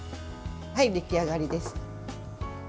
出来上がりです。